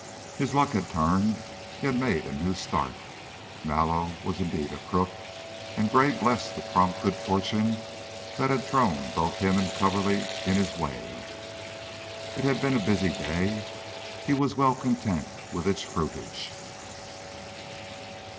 His luck had turned, he had made a new start. Mallow was indeed a crook, and Gray blessed the prompt good fortune that had thrown both him and Coverly in his way. It had been a busy day; he was well content with its fruitage.